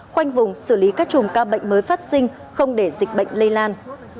khoanh vùng xử lý các chùm ca bệnh mới phát sinh không để dịch bệnh lây lan